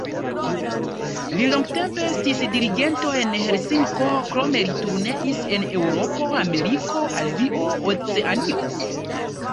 Li longtempe estis dirigento en Helsinko, krome li turneis en Eŭropo, Ameriko, Azio, Oceanio.